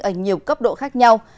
ở nhiều cấp độ khác nhau